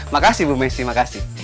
makasih bu messi makasih